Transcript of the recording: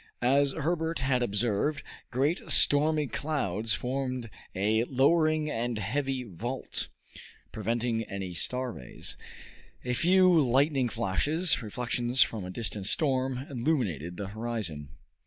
As Herbert had observed, great stormy clouds formed a lowering and heavy vault, preventing any star rays. A few lightning flashes, reflections from a distant storm, illuminated the horizon.